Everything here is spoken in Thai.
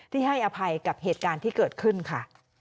ที่ให้อภัยกับเหตุการณ์ที่เกิดขึ้นค่ะ